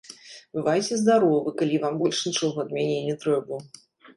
Бывайце здаровы, калі вам больш нічога ад мяне не трэба.